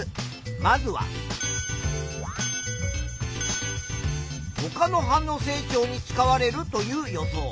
まずはほかの葉の成長に使われるという予想。